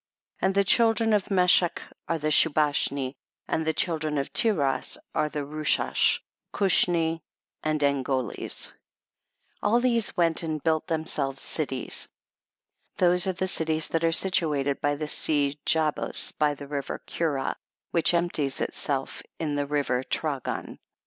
And the children of Meshech are the Shibashni and the children of Tiras are Rushash, Cushni, and Ongolis ; all these went and built themselves cities; those are the cities that are situate by the sea Jabus by' the river Cura, which empties itself in the river Tragan.